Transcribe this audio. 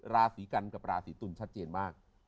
ราศีกันกับราศีตุลชัดเจนมาก